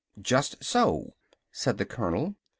"Just so," said the colonel.